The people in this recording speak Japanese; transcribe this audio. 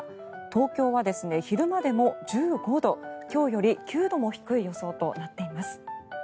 東京は昼間でも１５度今日より９度も低い予想となっています。